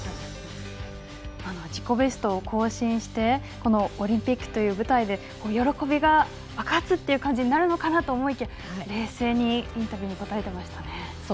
自己ベストを更新してこのオリンピックという舞台で喜びが爆発！っていう感じになるのかなと思いきや冷静に、インタビューに答えていましたね。